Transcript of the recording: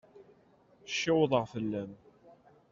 Cewḍeɣ fell-am.